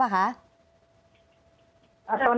อันดับที่สุดท้าย